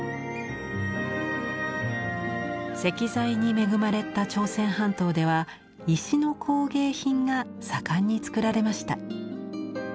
石材に恵まれた朝鮮半島では石の工芸品が盛んに作られました。